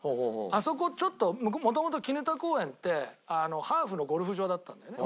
あそこちょっと元々砧公園ってハーフのゴルフ場だったんだよね。